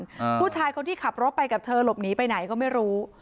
อ่าผู้ชายคนที่ขับรถไปกับเธอหลบหนีไปไหนก็ไม่รู้